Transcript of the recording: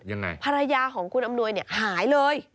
ยังไงภรรยาของคุณอำนวยเนี่ยหายเลย